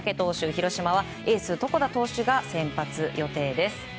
広島はエース床田投手が先発予定です。